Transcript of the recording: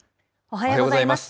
おはようございます。